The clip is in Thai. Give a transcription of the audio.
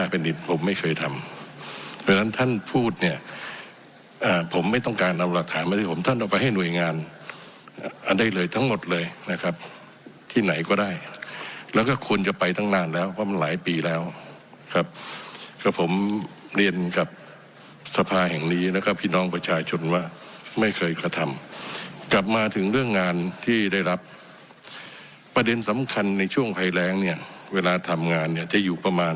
ไม่เคยทำเพราะฉะนั้นท่านพูดเนี่ยผมไม่ต้องการเอาหลักฐานมาที่ผมท่านเอาไปให้หน่วยงานอันใดเลยทั้งหมดเลยนะครับที่ไหนก็ได้แล้วก็ควรจะไปตั้งนานแล้วเพราะมันหลายปีแล้วครับก็ผมเรียนกับสภาแห่งนี้แล้วก็พี่น้องประชาชนว่าไม่เคยกระทำกลับมาถึงเรื่องงานที่ได้รับประเด็นสำคัญในช่วงภัยแรงเนี่ยเวลาทำงานเนี่ยจะอยู่ประมาณ